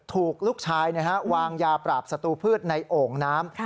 ถูกลูกชายวางยาปราบศัตรูพืชในโอ่งน้ำ